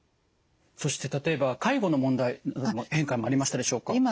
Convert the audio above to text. そして例えば介護の問題にも変化がありましたでしょうか？